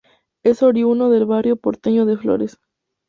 Es oriundo del barrio porteño de Flores.